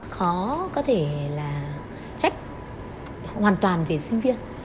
khó có thể là trách hoàn toàn về sinh viên